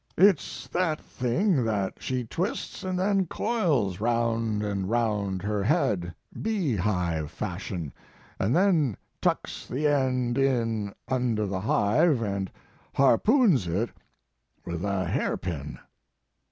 It s that thing that she twists and then coils round and round her head, beehive fashion, and then tucks the end in under the hive and harpoons it with a hairpin."